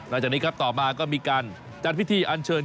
หลังจากนี้ครับต่อมาก็มีการจัดพิธีอันเชิญ